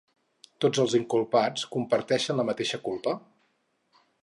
Tots els inculpats comparteixen la mateixa culpa?